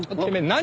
何？